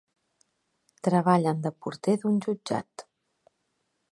Treballen de porter d'un jutjat.